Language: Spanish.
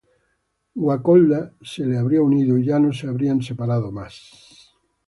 Guacolda se le habría unido y ya no se habrían separado más.